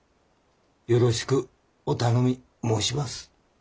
よろしくお頼み申します。